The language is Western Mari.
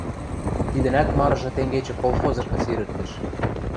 Тидӹнӓт марыжы тенгечӹ колхозышкы сирӹктӹш.